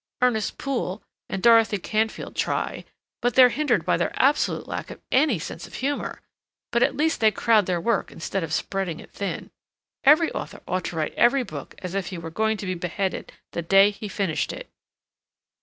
Ernest Poole and Dorothy Canfield try but they're hindered by their absolute lack of any sense of humor; but at least they crowd their work instead of spreading it thin. Every author ought to write every book as if he were going to be beheaded the day he finished it."